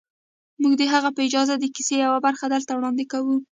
موږ د هغه په اجازه د کیسې یوه برخه دلته وړاندې کوو